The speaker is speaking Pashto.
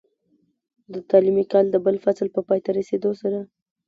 د تعليمي کال د بل فصل په پای ته رسېدو سره،